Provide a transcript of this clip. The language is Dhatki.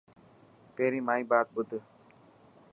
پهرين مائي بات ٻڌ.